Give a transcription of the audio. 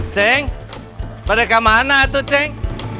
ceng pada kemana tuh ceng